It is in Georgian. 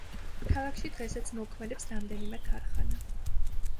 ქალაქში დღესაც მოქმედებს რამდენიმე ქარხანა.